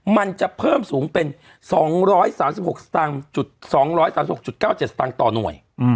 มันจะเพิ่มสูงเป็น๒๓๖๙๗ตังค์ต่อหน่วย